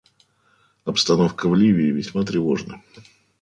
Обстановка в Ливии весьма тревожна.